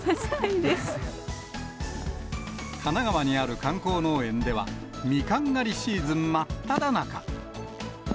神奈川にある観光農園では、みかん狩りシーズン真っただ中。